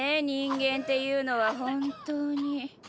人間っていうのは本当に。